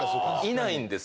いないんです